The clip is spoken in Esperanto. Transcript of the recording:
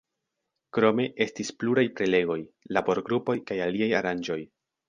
Krome estis pluraj prelegoj, laborgrupoj kaj aliaj aranĝoj.